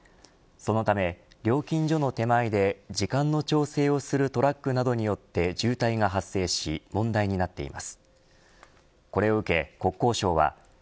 そのため、料金所の手前で時間の調整をするトラックなどによって渋滞が発生し問題になっています。